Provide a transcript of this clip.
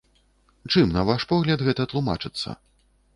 Чым, на ваш погляд, гэта тлумачыцца?